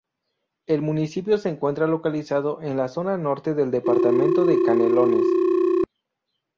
El municipio se encuentra localizado en la zona norte del departamento de Canelones.